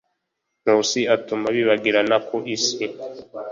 nkusi atuma bibagirana ku isi